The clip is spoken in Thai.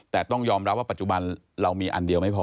แต่ต้องยอมรับว่าปัจจุบันเรามีอันเดียวไม่พอ